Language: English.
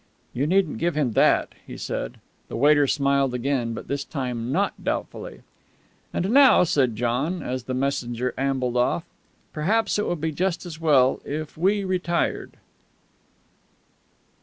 "You needn't give him that," he said. The waiter smiled again, but this time not doubtfully. "And now," said John as the messenger ambled off, "perhaps it would be just as well if we retired."